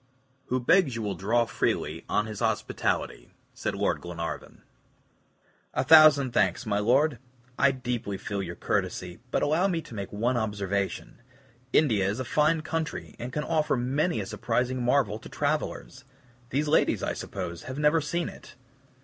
"Who begs you will draw freely on his hospitality," said Lord Glenarvan. "A thousand thanks, my Lord! I deeply feel your courtesy, but allow me to make one observation: India is a fine country, and can offer many a surprising marvel to travelers. These ladies, I suppose, have never seen it.